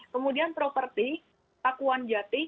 kemudian properti pakuwan jati